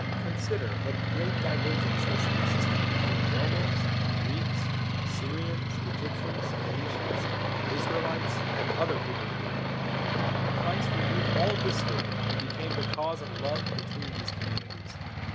Consider what great divergences existed be tween Romans, Greeks, Syrians, Egyptians, Phoenicians, Israelites, and other peoples of Europe. Christ removed all discord, and became the cause of love between these communities.